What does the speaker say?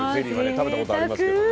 食べたことありますけどね。